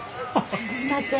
すみません